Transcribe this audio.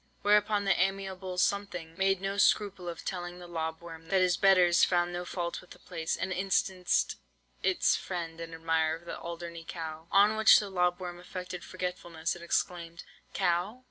Whereupon the amiable 'something' made no scruple of telling the lob worm that his betters found no fault with the place, and instanced its friend and admirer the Alderney cow. "On which the lob worm affected forgetfulness, and exclaimed, 'Cow?